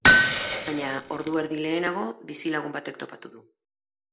Baina ordu erdi lehenago, bizilagun batek topatu du.